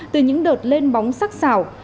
từ những đợt lên bóng sắc xảo